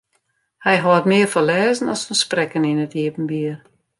Hy hâldt mear fan lêzen as fan sprekken yn it iepenbier.